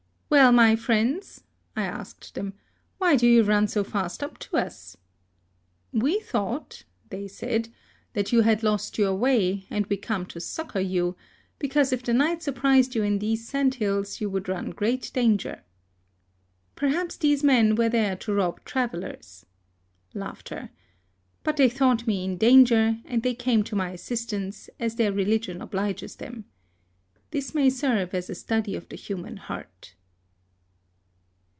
"Well, my friends," I asked them, "why do you run so fast up to us ?"" We thought," they said, " that you had lost your way, and we came to succour you ; because if the night surprised you in these sandhills you would run great danger." Perhaps these men were there to rob tra vellers. But they thought me in danger, and they came to my assistance^ 68 HISTORY OF as their religion obliges them. This may serve as a study of the human heart.